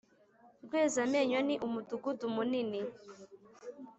rwezamenyo ni umudugudu munini